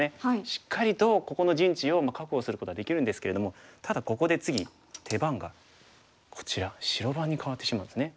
しっかりとここの陣地を確保することはできるんですけれどもただここで次手番がこちら白番に代わってしまうんですね。